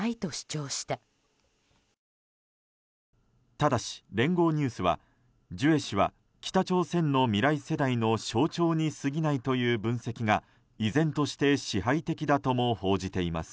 ただし、聯合ニュースはジュエ氏は北朝鮮の未来世代の象徴に過ぎないという分析が依然として支配的だとも報じています。